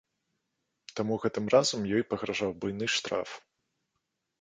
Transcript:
Таму гэтым разам ёй пагражаў буйны штраф.